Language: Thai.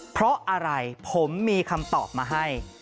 เพราะอะไรผมมีคำตอบมาให้